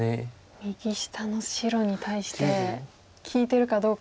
右下の白に対して利いてるかどうか。